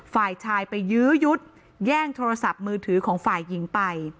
ฝ่ายชายไปยื้อยุดแย่งโทรศัพท์มือถือของฝ่ายหญิงไป